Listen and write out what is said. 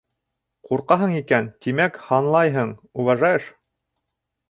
Ҡурҡаһың икән, тимәк, һанлайһың, уважаешь.